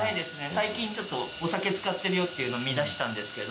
最近ちょっとお酒使ってるよっていうのを見だしたんですけど。